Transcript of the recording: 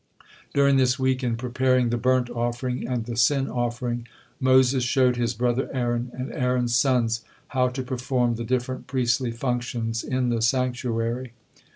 During this week, in preparing the burnt offering and the sin offering, Moses showed his brother Aaron and Aaron's sons how to perform the different priestly functions in the sanctuary.